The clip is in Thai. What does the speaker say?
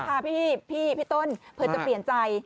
ค่ะพี่ต้นเผื่อจะเปลี่ยนใจ